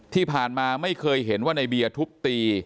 ที่ผ่านมาไม่เคยเห็นว่าในเบียร์ทุบตี